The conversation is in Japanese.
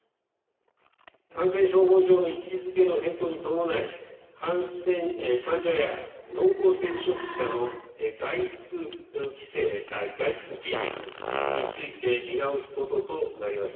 感染症法上の位置づけの変更に伴い患者や濃厚接触者の外出自粛について見直すこととなります。